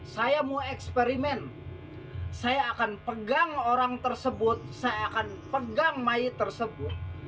saya mau eksperimen saya akan pegang orang tersebut saya akan pegang mayat tersebut